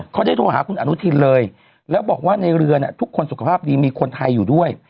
เขาได้โทรหาคุณอนุทินเลยแล้วบอกว่าในเรือทุกคนสุขภาพดีมีคนไทยอยู่ด้วย